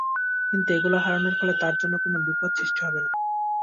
কিন্তু এগুলো হারানোর ফলে তাঁর জন্য কোনো বিপদ সৃষ্টি হবে না।